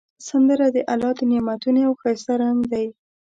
سندره د الله د نعمتونو یو ښایسته رنگ دی